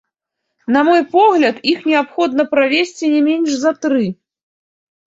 На мой погляд, іх неабходна правесці не менш за тры.